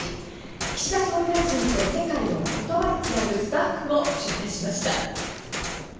岸田総理大臣と世界を言葉でつなぐスタッフを取材しました。